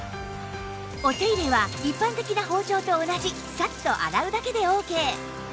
お手入れは一般的な包丁と同じサッと洗うだけでオーケー